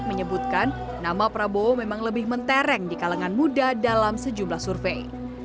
menyebutkan nama prabowo memang lebih mentereng di kalangan muda dalam sejumlah survei